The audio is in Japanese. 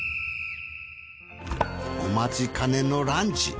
お待ちかねのランチ。